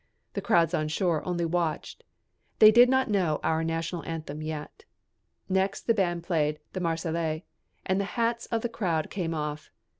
The crowds on shore only watched. They did not know our national anthem yet. Next the band played "The Marseillaise," and the hats of the crowd came off.